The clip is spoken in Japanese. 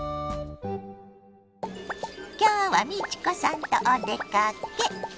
今日は美智子さんとお出かけ。